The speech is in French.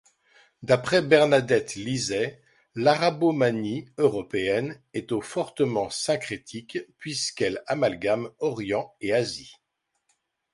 D'après Bernadette Lizet, l'arabomanie européenne est au fortement syncrétique, puisqu'elle amalgame Orient et Asie.